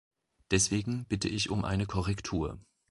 Deswegen bitte ich um eine Korrektur.